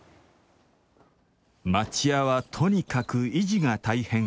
町家は、とにかく維持が大変。